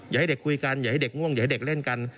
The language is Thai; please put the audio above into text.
ให้เด็กคุยกันอย่าให้เด็กง่วงอย่าให้เด็กเล่นกัน